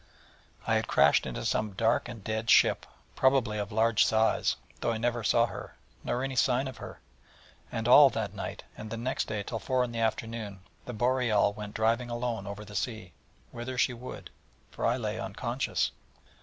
I had crashed into some dark and dead ship, probably of large size, though I never saw her, nor any sign of her; and all that night, and the next day till four in the afternoon, the Boreal went driving alone over the sea, whither she would: for I lay unconscious.